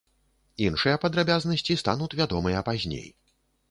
Іншыя падрабязнасці стануць вядомыя пазней.